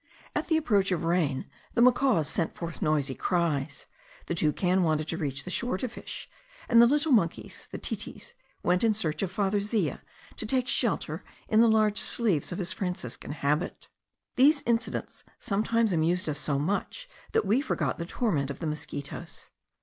At the approach of rain the macaws sent forth noisy cries, the toucan wanted to reach the shore to fish, and the little monkeys (the titis) went in search of Father Zea, to take shelter in the large sleeves of his Franciscan habit. These incidents sometimes amused us so much that we forgot the torment of the mosquitos.